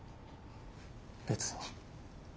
別に。